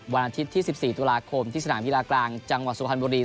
วันอาทิตย์ที่๑๔ตุลาคมที่สนามกีฬากลางจังหวัดสุพรรณบุรี